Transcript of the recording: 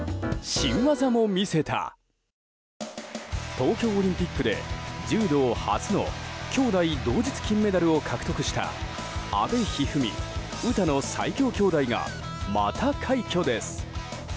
東京オリンピックで柔道初の兄妹同日金メダルを獲得した阿部一二三、詩の最強兄妹がまた快挙です。